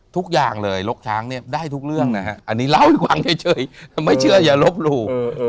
ทุกอย่างเลยลกช้างเนี่ยได้ทุกเรื่องนะฮะอันนี้เล่าให้ฟังเฉยไม่เชื่ออย่าลบหลู่